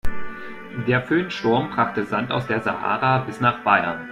Der Föhnsturm brachte Sand aus der Sahara bis nach Bayern.